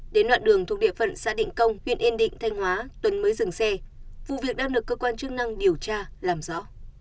đến đoạn đường thuộc địa phận xã định công huyện yên định thanh hóa tuấn mới dừng xe vụ việc đang được cơ quan chức năng điều tra làm rõ